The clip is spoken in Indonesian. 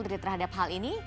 dari terhadap hal ini